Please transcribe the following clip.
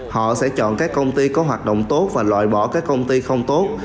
họ sẽ chọn các công ty có hoạt động tốt và loại bỏ các công ty không tốt